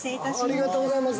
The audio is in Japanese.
◆ありがとうございます。